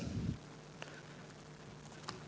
dan itu adalah pertanyaan yang terakhir